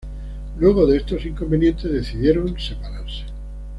Luego de estos inconvenientes decidieron separarse.